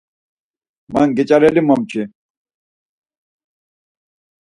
Man geç̌areli momçi.